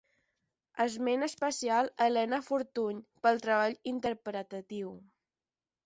Esment especial a Elena Fortuny pel treball interpretatiu.